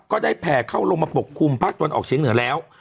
แผ่เข้าลงมาปกคลุมภาคตะวันออกเชียงเหนือแล้ว